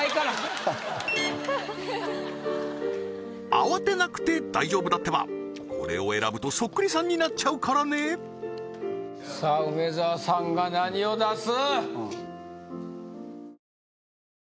慌てなくて大丈夫だってばこれを選ぶとそっくりさんになっちゃうからねさあ梅沢さんが何を出す？